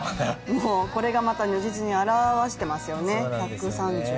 もうこれがまた如実に表していますよね。